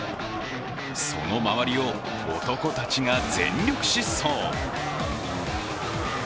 その周りを男たちが全力疾走。